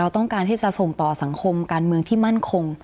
ต้องการที่จะส่งต่อสังคมการเมืองที่มั่นคง